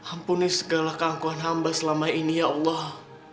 ampuni segala keangkuhan hamba selama ini ya allah